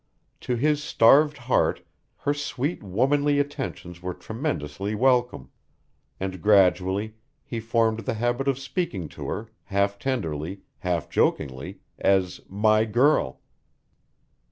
To his starved heart her sweet womanly attentions were tremendously welcome, and gradually he formed the habit of speaking of her, half tenderly, half jokingly, as "my girl."